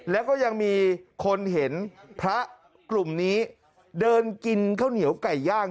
แล้วก็ยังมีคนเห็นพระกลุ่มนี้เดินกินข้าวเหนียวไก่ย่าง